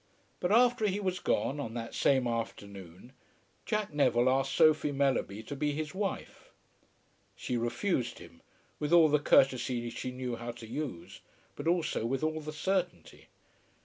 But after he was gone, on that same afternoon, Jack Neville asked Sophie Mellerby to be his wife. She refused him, with all the courtesy she knew how to use, but also with all the certainty.